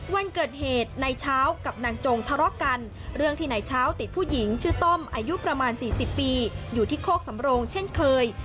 วันเกิดเหตุในเช้ากับนางจงทะเลาะกันเรื่องที่นายเช้าติดผู้หญิงชื่อต้อมอายุประมาณ๔๐ปีอยู่ที่โคกสำโรงเช่นเคย